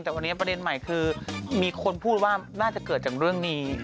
แต่วันนี้ประเด็นใหม่คือมีคนพูดว่าน่าจะเกิดจากเรื่องนี้